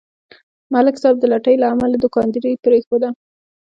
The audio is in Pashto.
ملک صاحب د لټۍ له امله دوکانداري پرېښوده.